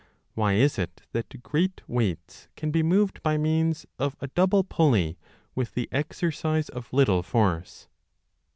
Why is it that great weights can be moved by means of a double pulley with the exercise of little force